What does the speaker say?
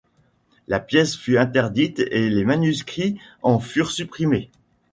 La pièce fut interdite et les manuscrits en furent supprimés.